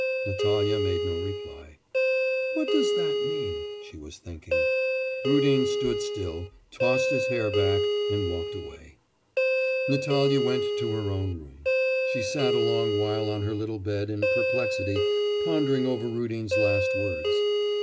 Natalya made no reply. 'What does that mean?' she was thinking. Rudin stood still, tossed his hair back, and walked away. Natalya went to her own room. She sat a long while on her little bed in perplexity, pondering over Rudin's last words.